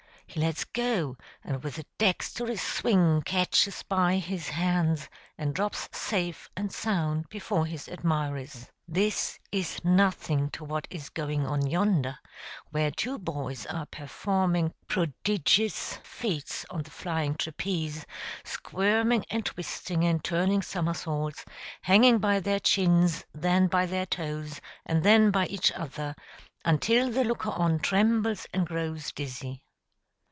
he lets go, and with a dexterous swing catches by his hands, and drops safe and sound before his admirers. This is nothing to what is going on yonder, where two boys are performing prodigious feats on the flying trapeze, squirming and twisting, and turning somersaults, hanging by their chins, then by their toes, and then by each other, until the looker on trembles and grows dizzy.